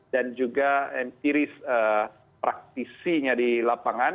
dan juga ciri praktisinya di lapangan